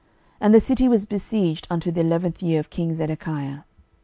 12:025:002 And the city was besieged unto the eleventh year of king Zedekiah.